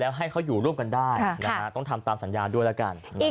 ให้เขาอยู่ร่วมกันได้ต้องทำตามสัญญาด้วยแล้วกัน